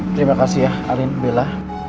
terima kasih ya arin bila